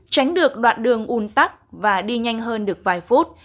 tránh được đoạn đường un tắc và đi nhanh hơn được vài phút